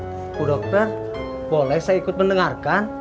ibu dokter boleh saya ikut mendengarkan